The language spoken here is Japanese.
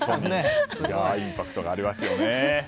インパクトがありますよね。